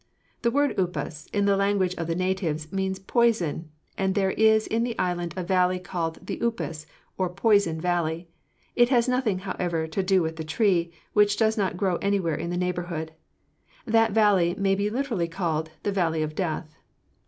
The word 'upas,' in the language of the natives, means poison, and there is in the island a valley called the upas, or poison, valley. It has nothing, however, to do with the tree, which does not grow anywhere in the neighborhood. That valley may literally be called 'The Valley of Death.'